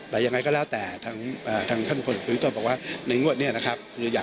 แต่ยังไงก็แล้วแต่จือวิกัดนม่วดบรรยาเฉพาะ